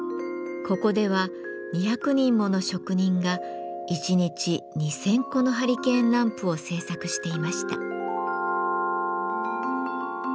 ここでは２００人もの職人が一日２，０００個のハリケーンランプを製作していました。